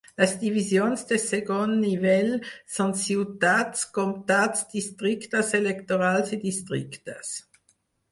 Les divisions de segon nivell són ciutats, comtats, districtes electorals i districtes.